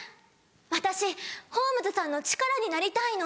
私ホームズさんの力になりたいの」。